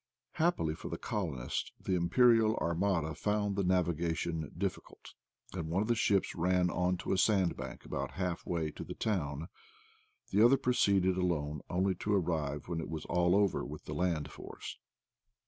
Happily for the colonists, the Imperial armada found the navigation difficult, and one of the ships ran on to a sandbank about half way to the town; the other proceeded alone only to arrive when it was all over with the land force.